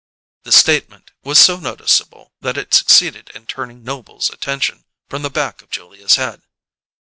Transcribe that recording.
The statement was so noticeable that it succeeded in turning Noble's attention from the back of Julia's head.